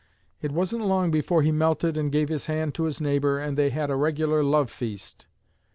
It wasn't long before he melted and gave his hand to his neighbor, and they had a regular love feast.